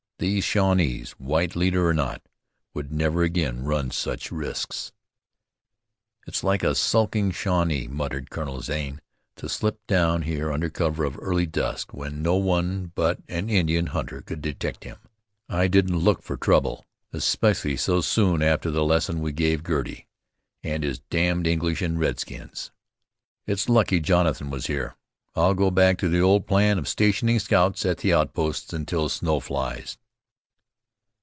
These Shawnees, white leader or not, would never again run such risks. "It's like a skulking Shawnee," muttered Colonel Zane, "to slip down here under cover of early dusk, when no one but an Indian hunter could detect him. I didn't look for trouble, especially so soon after the lesson we gave Girty and his damned English and redskins. It's lucky Jonathan was here. I'll go back to the old plan of stationing scouts at the outposts until snow flies."